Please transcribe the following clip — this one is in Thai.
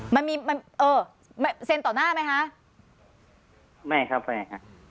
มันมีมันเออเซ็นต่อหน้าไหมคะไม่ครับไม่ค่ะ